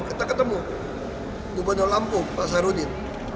kita ketemu gubernur lampung pak sarudin